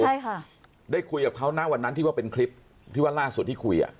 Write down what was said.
ใช่ค่ะได้คุยกับเขานะวันนั้นที่ว่าเป็นคลิปที่ว่าล่าสุดที่คุยอ่ะ